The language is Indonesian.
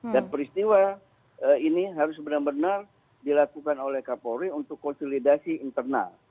dan peristiwa ini harus benar benar dilakukan oleh kapolri untuk konsolidasi internal